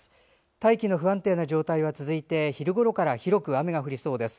大気の不安定な状態が続いて昼ごろから雨が降りそうです。